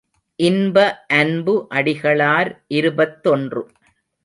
இன்ப அன்பு அடிகளார் இருபத்தொன்று.